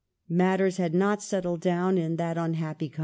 Matters had not settled down in that ^°^*"sal 1 Cf.